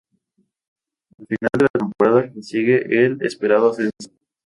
Al final de la temporada consigue el esperado ascenso.